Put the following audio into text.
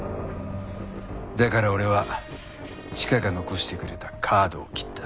だから俺はチカが残してくれたカードを切った。